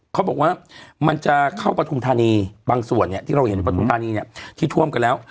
เขาบอกว่ามันจะเข้าปฐุมธานีบางส่วนเนี่ยที่เราเห็นปฐุมธานีเนี่ยที่ท่วมกันแล้ว